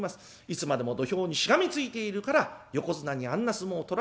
いつまでも土俵にしがみついているから横綱にあんな相撲を取らしてしまった。